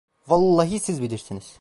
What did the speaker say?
Vallahi siz bilirsiniz!